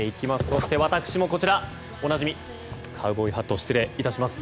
そして私もこちらおなじみカウボーイハットを失礼いたします。